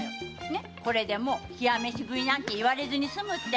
これでもう“冷や飯食い”なんて言われずに済むよ。